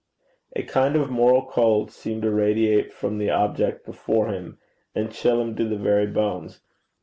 A kind of moral cold seemed to radiate from the object before him, and chill him to the very bones.